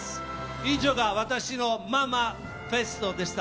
以上が私のママフェストでした。